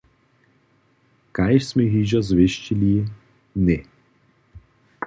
Kaž smy hižo zwěsćili, ně.